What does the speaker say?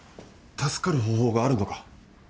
助かる方法があるのか？